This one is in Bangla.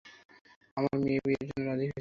আমার মেয়ে বিয়ের জন্য রাজি হয়েছে।